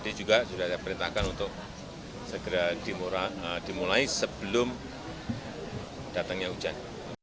tadi juga sudah saya perintahkan untuk segera dimulai sebelum datangnya hujan